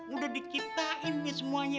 udah dikitain nih semuanya